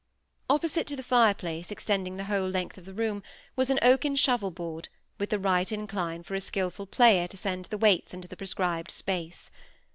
Opposite to the fire place, extending the whole length of the room, was an oaken shovel board, with the right incline for a skilful player to send the weights into the prescribed space.